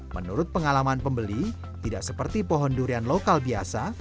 menurut pengalaman pembeli tidak seperti pohon durian lokal biasa